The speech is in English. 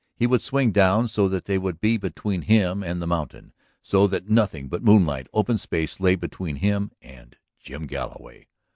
He would swing down so that they would be between him and the mountain, so that nothing but moonlit open space lay between him and Jim Galloway.